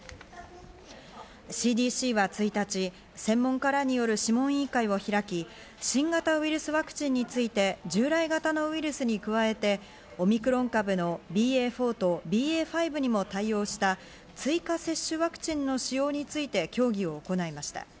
ＣＤＣは１日、専門家らによる諮問委員会を開き、新型ウイルスワクチンについて従来型のウイルスに加えて、オミクロン株のＢＡ．４とＢＡ．５にも対応した追加接種ワクチンの使用について協議を行いました。